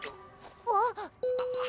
あっ？